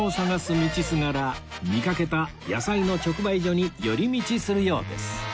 道すがら見かけた野菜の直売所に寄り道するようです